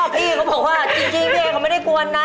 อ๋อพี่เขาบอกว่าจริงเขาไม่ได้กวนนะ